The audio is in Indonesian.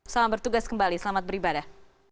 selamat bertugas kembali selamat beribadah